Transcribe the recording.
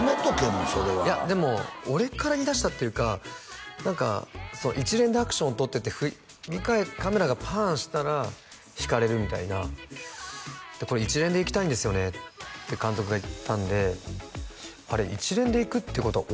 もうそれはいやでも俺から言いだしたっていうか何か一連でアクション撮っててカメラがパンしたらひかれるみたいな「これ一連でいきたいんですよね」って監督が言ったんで「あれ一連でいくってことは」